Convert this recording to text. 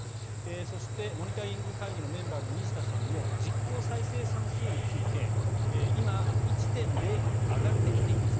そして、モニタリング会議のメンバーの西田さんも実効再生産数について今、１．０まで上がってきていますと。